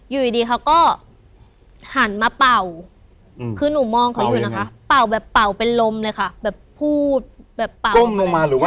อยู่ดีเขาก็หันมาเป่าคือหนูมองเขาอยู่นะคะเป่าแบบเป่าเป็นลมเลยค่ะแบบพูดแบบเป่าก้มลงมาหรือว่า